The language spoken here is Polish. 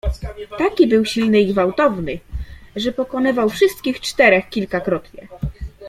"Taki był silny i gwałtowny, że pokonywał wszystkich czterech kilkakrotnie."